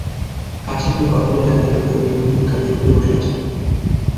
কাছে গিয়ে কথা বলে জানতে পেলাম, তাঁরা দিনমজুর, কাজের খোঁজে বসে আছেন।